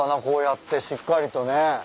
こうやってしっかりとね。